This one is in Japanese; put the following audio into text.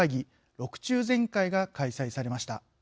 ６中全会が開催されました。